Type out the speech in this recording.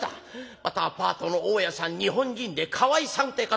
またアパートの大家さん日本人でかわいさんって方。